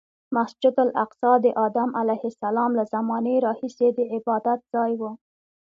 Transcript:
مسجد الاقصی د ادم علیه السلام له زمانې راهیسې د عبادتځای و.